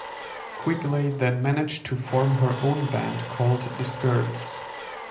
Quigley then managed to form her own band called The Skirts.